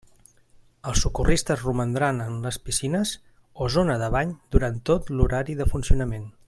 Els socorristes romandran en les piscines o zona de bany durant tot l'horari de funcionament.